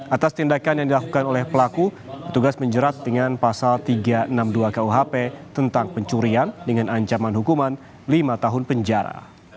atas tindakan yang dilakukan oleh pelaku petugas menjerat dengan pasal tiga ratus enam puluh dua kuhp tentang pencurian dengan ancaman hukuman lima tahun penjara